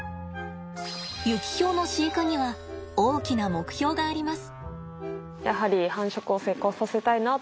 ユキヒョウの飼育には大きな目標があります。